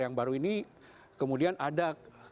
yang baru ini kemudian ada